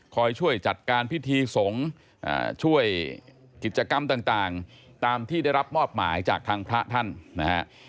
คอยช่วยจัดการพิธีสงฆ์ช่วยกิจกรรมต่างตามที่ได้รับมอบหมายจากทางพระท่านนะฮะ